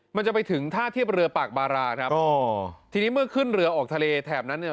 มันจะไปถึงท่าเทียบเรือปากบาราครับอ๋อทีนี้เมื่อขึ้นเรือออกทะเลแถบนั้นเนี่ย